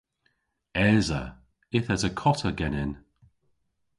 Esa. Yth esa kota genen.